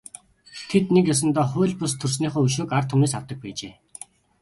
Тэд нэг ёсондоо хууль бус төрснийхөө өшөөг ард түмнээс авдаг байжээ.